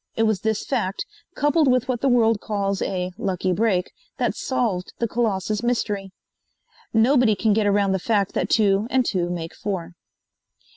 It was this fact, coupled with what the world calls a "lucky break," that solved the Colossus mystery. Nobody can get around the fact that two and two make four.